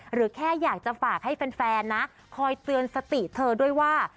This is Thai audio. หรือแค่อยากจะฝากให้แฟนนะคอยเตือนสติเธอด้วยว่า